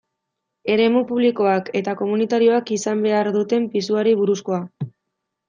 Eremu publikoak eta komunitarioak izan behar duten pisuari buruzkoa.